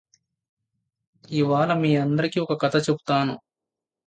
ఇవాళ మీ అందరికి ఒక కథ చెపుతాను